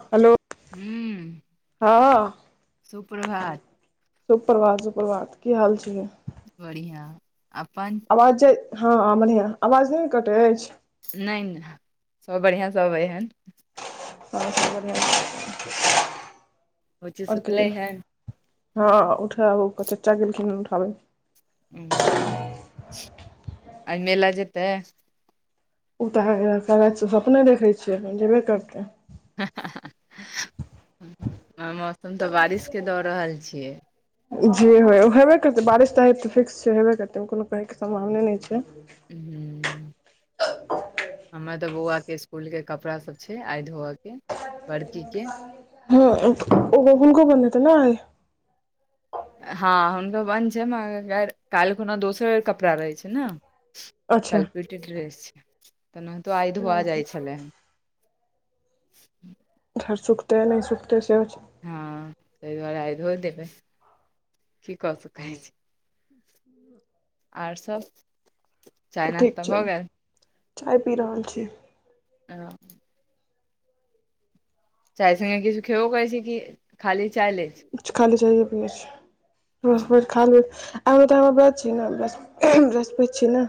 Hello हूँ हँ सुप्रभात शुभप्रभात शुभप्रभात की हाल छै बढ़िआ अपन आवाज जे हँ बढ़िआँ आवाज नहि ने कटैत अछि नहि नहि सभ बढ़िआँ सभइ हन आओर बुच्ची सुतले कहियो हन हँ उठब चचा गेलखिन उठाबै ह आय मेला जेतै उ तारा अपने देखै छियै जेबे करतै ह हा मौसम तऽ बारिश के दऽ रहल छियै जे होय हेबे करतै बारिश तारिश तऽ फिक्स छै हेबे करते को कहैके सम्भावने नहि छै [unintelligible] हमरा तऽ बौआके इसकुल के कपड़ा सब छै आइ धोअ के बड़की के हँ ओ हुनको बन त ने आइ हँ हुनको बन्द छै मगर काल्ह खुना दोसर कपड़ा रहै छै ने अच्छा कलपीट ड्रेस तेनाहितो आइ धोआ जाइत छलै हे घर सुखते नहि सुखते सेहो छै हँ तही दुआरे आ धो देबै की कऽ सकै छी आर सभ ओ ठीक छै चाय पी रहल छी ह चाय स्े किछु खेबो करै छी कि खाली चाय ले छि किछ खाली चाए पीच ओ रोस पर खा आबू तऽ आाँ ब्रात छी ने ब बृहस्पत छी ने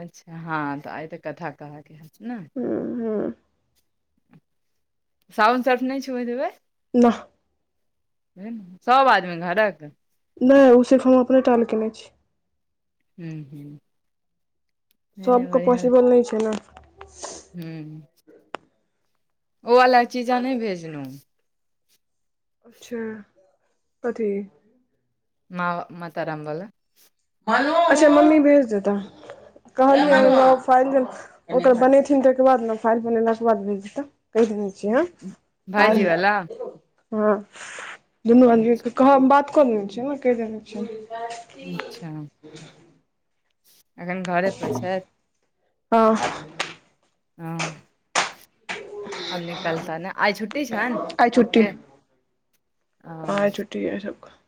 अच्छा हँ तऽ आइ तऽ कथा कहतय ने ह हू साबुन सर्फ नहि छु बयात हेबेई नाह सब आदमी घरक नहि ओ सिर्फ हम अपने टाल केने छी ह्म हू सबके पॉसिबल नहि छै ने हू ओ वाला चीजा अहाँ नहि भेजलूहुँ अच्छा कथी म म ताराम बोल नम्बर [unintelligible] ओकर बनेथिन तकर बाद ने फाइल बनेला के बाद भे जेत कहि द दे किया भाइजी वाला हैयो हँ दुनू आदमीक अच्छा के कह बात क देने छि ने क देने छै अच्छा [unintelligible] एखन घरे पर छथि ह हँ आम निकलता ने आइ छुट्टी छैन आइ छुट्टी ओके [unintelligible]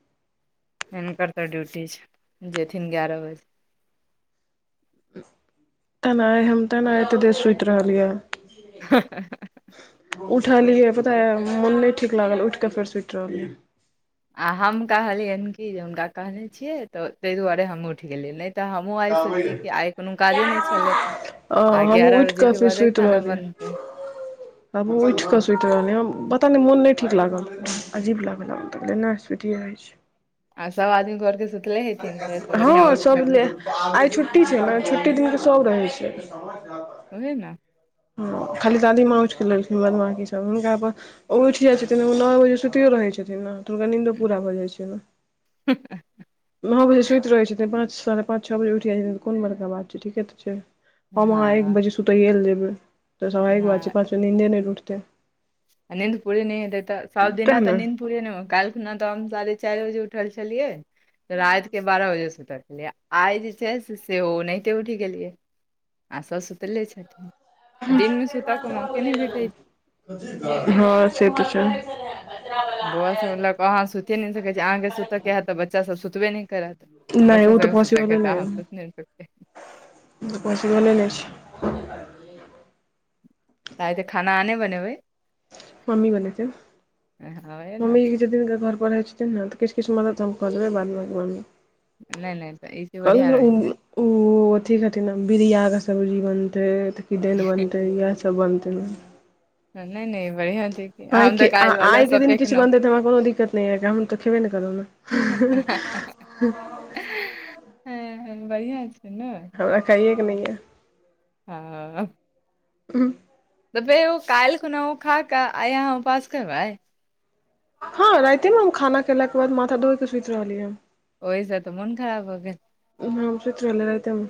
हिनकर तऽ ड्यूटी छै जेथिन ग्यारह बजे तेनाइ हम तेना एते देर सुति रहलियै ह ह ह उठलियै पता य मोन नहि ठीक लागल उठ कऽ फेर सुति रहलियै आ हम कहलियन कि जे हुनका कहने छियै तऽ ताहि दुआरे हम उठि गेलियै तऽ हमहहुँ आइ सोचियै कि आइ कोनो काजे नहि छले अ आ हमहूँ ग्यारह उठि बजे कऽ के बादे खाना बनते [inaudible] हमबू उठि कऽ सुति रहलिय हँ पता नहि मोन नहि ठीक लागल अजीब लागल नहि सुतिए रहैत छी आ सब आदमी घरके सुत हँ सभ ले आइ छुट्टी छै ने छुट्टी दिनक ते सभ रहै छै होेई नै ह खाली दादी माँ उठ कऽ लेलखिन बदमाकी सब हुनका पर ओ उठि जाइत छथिन ओ नओ बजे सुतियो रहैत छथिन ने तऽ हुनका नीन्दो पूरा भऽ जाइत छनि हुँ हह नौऊ बजे सुइत रहै छै पाँच साढ़े पाँच छओ बजे उठि जाय छथिन तऽ कोन बड़का बात छै ठीके तऽ छै हम अहाँ एक हँ बजे सुतैये ल जेबै तऽ सवा एक बाजे छै पांच बजे निन्दे नहि टुटते नीन्द पुरै नहि हेते त सात दिन आ त ने नीन्द पुर नय कालिह खुना तऽ हम साढ़े चारि बजे उठल छलियै रातिके बारह बजेसँ सूतलिए आइ जें छै सेहो ओनाहिंते उठि गेलियै आ सभ सुतले छथिन आ दिनमे सुतय के मौके नहि भेटैत छै हँ से तऽ छै बोआ सब ल क अहाँ सुति नहि सकै छ छी अहाँके सुतऽके हैत तऽ बच्चा सब सुतबे नहि करत नहि बच्चा ओ सबके सुतैके ह तऽ अहाँ सुति नहि सकतेै पोसीवले नहि छै तऽइ तऽ खाना आ नहि बनेबै मम्मी बैनेते हवे ने मम्मीके जेहि दिनका घर पर रहैत छथिन ने तऽ किछु किछु मदद हम कऽ देबै बाद बांकी मम्मी नहि नहि तऽ ई चीज बढ़िया कहलो रहै उँ छै ओ अथी कहथि ने बिरिया के सब्जी बनते किदैन बनतै इएह सब बनतै नहि नहि बढ़िआँ छै कि, हम आइके तऽ काल्हि वला आइके सब दिन किछु फेकलौं बनतै तऽ हमरा कोनो दिक्कत नहि यए हम तऽ खेबे नहि करब ने [inaudible] हँ बढ़िआँ छै ने हमरा खाइएके नहि यऽ हाँ हुँम ते फेर ओ काल्हि खुना ओ खाकऽ आइ अहाँ उपवास करबै हँ राइते मे हम खाना खेलके बाद माथा धोय के सुति रहलियै ओहिसँ तऽ मोन खराब भ गेल हम सुत रहलो रातिमे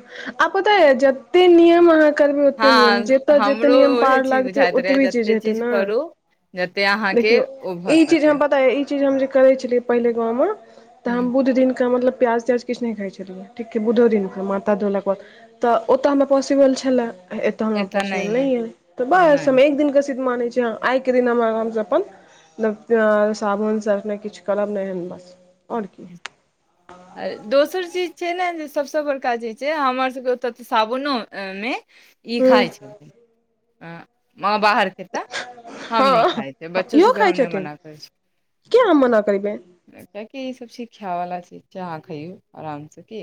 आ पता या जते नियम अहाँ करबै ओते नियम हँ जतऽ जते हमरो नियम उहे पार चीज लागतै बुझाइत रहै ओतबी चीज जते हेतै ने करू जते अहाँ देखियौ ई चीज हम पता यए ई चीज हम जे करै छलियै पहिले गाँवमे तऽ हूँ हम बुध दिन के मतलब प्याज तियाज किछु नहि खा छलियै ठीक बुधो दिन मा धोलाके बाद तऽ ओतऽ हमरा पॉसिबल छलै तऽ हमरा एतऽ पॉसिबल य नहि है तऽ बस नहि हम एक दिननक के सीद्ध माने छी हाँ आइके दिन हम आरामसँ अपन म साबुन सर्फ नहि किछु करब नहि बस आओर की आ दोसर चीज छै ने जे सभसँ बड़का चीज छै हमर सभके ओतय तऽ सावनोमे ई हूँ खााय छथिन माँ बाहर एतह हम नहि खाइ हँ बच्चो इहो सबके खाइ हम नहि छथिन मना करै छी किया हम मना करबै किया की ईसब छिय खाय वला चीज हाँ खइौ आराम से की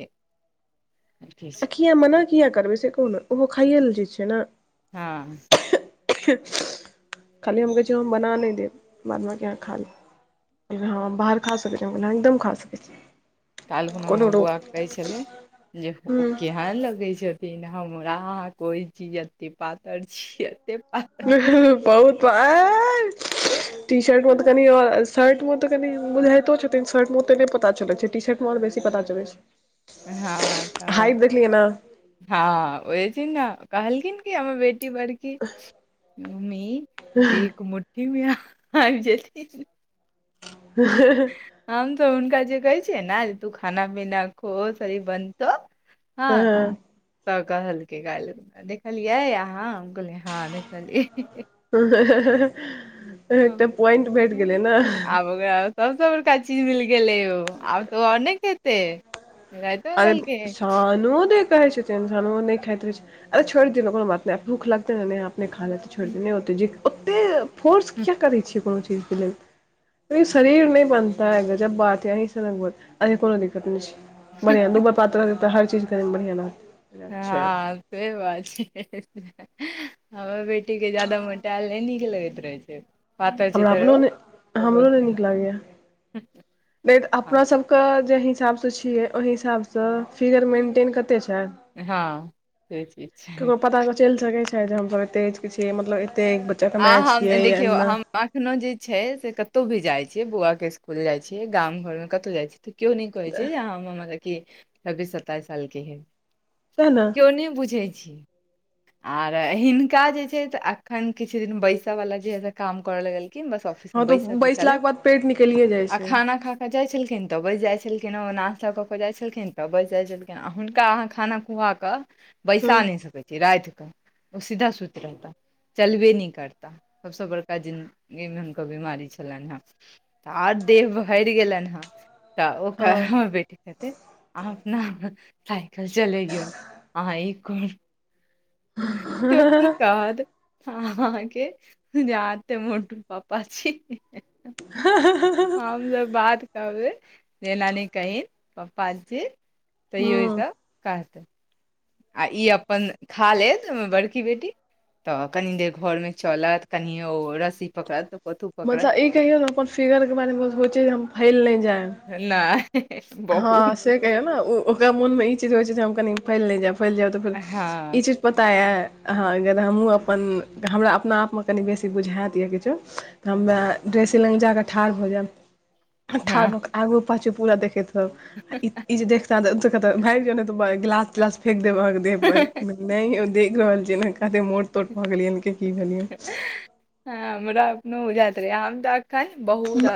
किया मना किया करबै से कहु ने ओहो खाइए ल जे छै ने हँ खाली हम कहै छी हम बना नहि देब बाद बे अहाँ खा लेब हँ बाहर खा सकैत छी ना एकदम खा सकैत छी कलखुना कोनो हमर रोक बौआ कहै छलै जे ओ हूँ केहन लगैत छथि नहि हमरा अहाँके ओहि छी एते पातर छी एतेक बहुत पातर टी शर्ट मे तऽ आओर कनि शर्ट मे तऽ कनि बुझाइतो छथिन शर्ट मे ओे नहि पता चलैत छै टी शर्ट मे आओर बेसी पता चलै छै हँ तऽ हाइट देखलियै ने हँ ओ बै दिन ने कहलकिन हमर बेटी बड़की मम्मी एक मु ठी मे आबि जेथिन [unintelligible] हम तऽ हुनका जे कहै छियै ने जे तू खाना पीना खो शरीर बनतौ हँ तऽ कहलकै देखलियै अहाँ कहलियै ह देखलियै एकटा पॉइंट भेट गेलै ने क सभसँ बड़का चीज मिल गेलै यौ आब तऽ ओ आओर नहि खेतै राइतो मे अरे कहलकै सानू देख कहै छै इन्सान नहि खाइत रह छै छोड़ि दियौ कोनो बात नहि भूख लगतै नहि खा ल लेल तऽ छोड़ि कऽ नहि ओतेक जे ओतेक फोर्स हँ किएक करै छियै कोनो चीजके लेल शरीर नहि बनता ह अगर जब बाते अहंसँ बत अी कोनो दिक्कत नहि छै बढ़िया ूबर पात दऽ हर चीज क बढ़िया न हँ से बात छै हमर बेटीके जादा मोटायल नहि नीक लगैत रहै छै पातर हमरा चितर अपनो ओ नहि तऽ हमरो बहुत नहि नीक लागैए नहि हँ अपना सबके जे हिसाबसँ छियै ओहि हिसाबसँ फिगर मेन्टेन कते छै हँ से चीज छै ककरो पता चलि सकै छै जे हमस एते कि मतलब एते आ हम देखियौ हम अखनो जे छै से कतौ भी जाय छीे बौआ के स्कूल जाय छीै गामं घर में कतौ जाय छी तऽ केओ नहि कहै छै जे मतलब कि छब्बीस सताइस सालके हइ तेँ न केओ नहि बुझै छी आर हिनका जे छै अखन किछ दिन बैसा बला जे काम कर लग गेलल कि हँ तऽ बैसल जे छलखिन बैसलाके बाद पेट निकलिए जाइ आ छै खाना खा खऽ जाइत छलखिन तऽ बैसि जाइत छलखिन हँ ओ नाथ लऽ कऽ खऽ जाइत छलखिन तऽ बैसि जाइत छलखिन आओ हुनका अहाँ खाना खुआऽ केऽ हँ बैसा नहि सकै छी रातिकऽ ओ सीधा सुति रहता चलबे नहि करताह सभसँ बड़का जिन्दगीमे हुनकर बिमारी छलनि हन तऽ आर देह भरि गेलनि हेँ तऽ ओ हँ कहमे बेटि कहतै अहाँ अपना साइकिल चलेयो अहाँ एक कर केओ कि कहत अहाँ के जाते मोटू पापा छी ह हँ हम तब बात कहबे रेनानी कहहिन प्पा जी तऽ यै हँ त कहतै आ ई अपन खा लेत ओ बड़की बेटी तऽ कनी देर घर में चलत कनि ओ रस्सी पकड़त तऽ कतु मतलब ई कहियौ ने अपन फिगर के बारेमे सोचे जे हम फैल नहि जायब नहि [unintelligible] हँ से कहियौ ने ओ ओकरा मोनमे ई चीज होइत छै जे हम कनी फैल नहि जायब फैल जायब तऽ फेर हँ ई चीज पता यऽ अहाँ अगर हमहूँ अपन हमरा अपना आपमे कनि बेसी बुझाायत यए किछो हममे ड्रेसी लग जाकऽ ठाढ़ होऽ जाएब [inaudible] ठा आगू पचे पूरा देखैत आ ई जे देखता कते भागि जाो ने गिलास तिलास फेेक देब अहाँ के देह पर नहि ओ देख रहल छिय ने कते मोड़ तोट भऽ गेलियै की भेलियै हमरा अपनो जाइत रहै हम त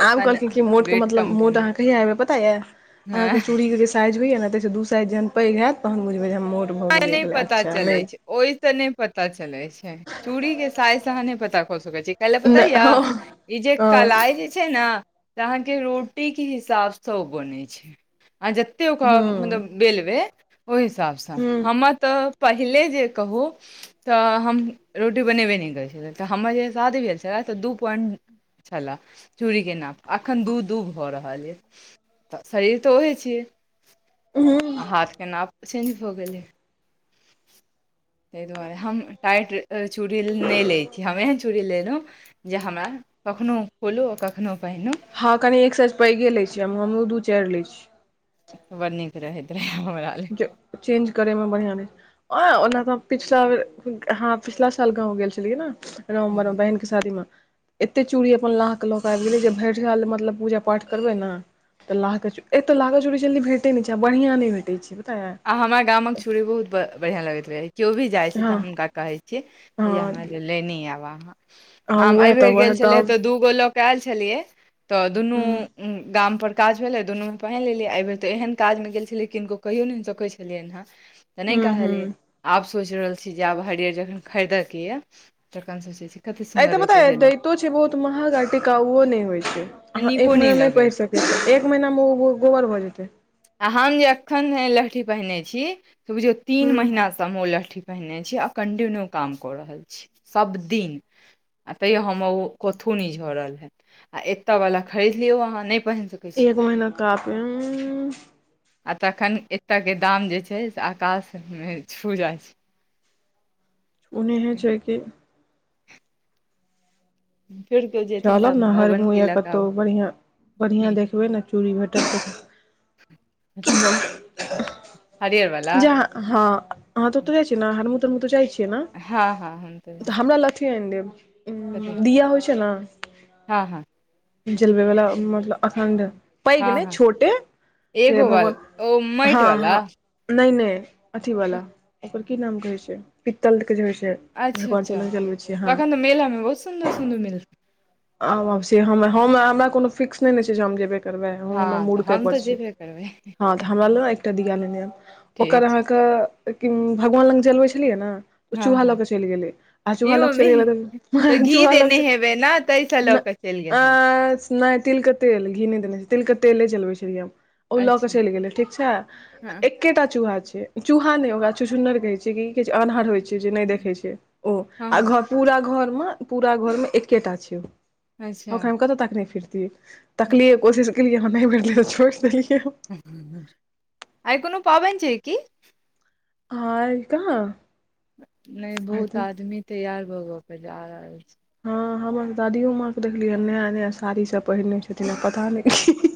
आब कहलखिन क मोट के मतलब कम मोट केलहुँ अहाँ कहिया एयबै पता या हँ अहाँके चूड़ी के जे साइज होइयए ने ततहिसँ दू साइज जहन पैघ होयैत तहन बुझबै जे हम मोट भऽ गेलियैै अच्छा नहि ओहि तऽ नहि पता चलै छै चूड़ी के साइज स अहाँ नहि पता कऽ सकैत छीयै कालल पता यए हँ ई जे हँ कलाइ जे छै ने तऽ अहाँके रोटीके हिसाबसँ ओ बनैत छै अहाँ जतेक ओकरा मतलब बेलबै ओहि हिसाबसँ हँ हममे तऽ पहिले जे कहू तऽ हम रोटी बनेबे नहि करै छलिय तऽ हमर जे शादी भेल छल तऽ दू पॉइंट छलए चूड़ीक के नाप अखन दू दू भऽ रहल य तऽ शरीर तऽ ओहे छियै आ हँ हाथ के नाप चेंज भ गेलै ताहि दुआरे हम टाइट चूड़ी नहि ले छीय हमे चूड़ी लेलहुँ जे हमरा कखनोहु खोलू आ कखनोहु पहिनहु हँ कनि एक सज पैघे लै छी हमहुँ दू चारि लै छीयै बड़ नीक रहैत रहै हमरा लेल चेंज करे में बढ़िया रह आ ओना तऽ पिछला हँ पिछला साल गाँव गेल छलियै ने हमर हूँ। बहिन शादीमे एते चूड़ी अपन लाहके लऽ के आबि गेलै जे भरि साल मतलब पूजा पाठ करबै ने तऽ लाह ची एतऽ लाहके चूड़ी जल्दी भेटै नहि छै आ बढ़िआँ नहि भेट छै पता यै आ हमरा गाम मेक छुरी बहुत बढ़िया लगैत रहे केओ भी जाय छै तऽ हँ हमुनका कहे छै जे भैया हमरा हँ ल लेने आब अहां आ हम उएह तऽ एहिबेर उएह गेल छलै गाम तऽ दू गो लऽ कऽ आयल छलियै तऽ दुनू हूँ गाम पर काज भेले दुनू में पहिन लेलिये ऐ बेर तऽ एहन काज मे गेल छलियै किनको कहियौ न छलियनि हेँ तऽ नहि हूँ हूँ कहलियै आब सोचि रहल छी जे आब हरियर जखन खरीदयके यए तखन सोचैत छी कतेक ए सुन्दर ते रहै पता छै से दैतो छै बहुत महग आ टिकाउओ नहि होइ छै लहठी अहाँ नीको एक महीना नहि लगैत पढ़ि छै सकैत छियै एक महीनामे ओ गोबर भऽ जेतै आ हम जे एखन लहठी पहिने छी बुझियौ तीन हूँ महिनासँ ओ लहठी पहिरने छी आ कन्टिन्यू काम कऽ रहल छी सभ दिन आ तैयो हम ओ कथो न झड़ल हे आ एतताे वाला खरीद लियो अह नहि पहिन सक एक महीना कपे आ तखन एतयके दाम जे छै से आकाशमे छू जाइ छै ओनह छै कि [unintelligible] चाल ने हर कहबनि मुह कि य लऽ कऽ कतहु आउ बढ़िआँ बढ़िआँ देखबै ने चूड़ी भेटल हरियर वाला ज हँ ह तऽ ओतो जाइ छी ने हरमदमे तू जाइ छी हँ हँ हम तऽ हमरा लहठी अनि देब कथी उ दिया होइ छै हँ हँ ने जलबे वाला मतलब अखण्ड पैघ हँ ने हँ छोटे जे एगो वाल भगवान ओ माटि हँ वाला हँ नहि नहि अथीवला ओकर की नाम कहै छै पित्तलके जे होइ छै अच्छा भगवान सब अच्छा लग जलबै छियै हँ तखन तऽ मेलामे बहुत सुन्दर सुन्दर मिलत आ हमरा कोनो फिक्स नहि ने छै जे हम जेबे कि करबै हमर हँ तऽ मूड तेँ हम पर तऽ छै जेबे करबै तऽ हमरा लेल एकटा दीया ने ने एब ठीक ओकर छै अहाँक के कि भगवान लग जलबै छलियै ने हँ चूहा ल हँ के चलि गेलै आ ई चूहा लऽ क चलि गेलै तऽ चूहा लऽ के चल [unintelligible] तै से अ नहि तिलक तेल घी नहि देने छै तिलक तेले चलबै छलियै हम ओ लऽ कऽ अच्छा चलि गेलै ठीक छै एक हँ एकेटा चूहा छै चूहा ओक चुछुनर कहे छै की छै अन्हर होइ छै देखै छै ओ हँ पूरा घरमे एकेटा छै ओ अच्छा ओकरा कतहु तक नहि फिरतियै तकलियै कोशिश केलियै हम नहि फिरलियै छोड़ि देलियै आइ कोनो पाबनि छै कि आइ कहाँ नहि आइ बहुत तऽ आदमी तैयार भऽभऽ के जा रहल छै हँ हमर दादियओ माँकेँ देखलियैन नया नया साड़ीसभ पहिरने छथिन आ पता नहि कि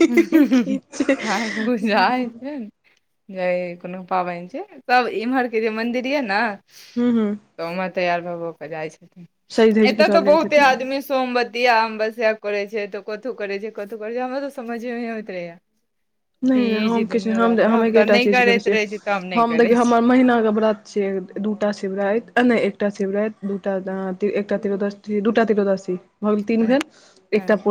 हँ बुझाई [unintelligible] जे कोनो पाबैन छै तब एम्हरके जे मन्दिर यए ने हू हू तऽ ओमर तैयार भऽ भ केऽ जाइ छथिन सजि धजि कऽ एतय तऽ सब जाइत बहुते हेतै आदमी सोमबतिया अमबसिया करे छै तऽ कथो करे छै कथौ करे छै हम तऽ समझमे नहि होइत रहैयै नहि नहि हम किछु नहि हम ह तऽ एकटा नहि चीज करै करैत छियै रहै छी तऽ नहि हम करै देखिय छी हमर महीनाके ब्रत दूटा शिवरायत एकटा शिवरायत दूटा एकटा तरोदशी दूटा त्ररोदशी भऽ टीन भेले अच्छा एकटा पु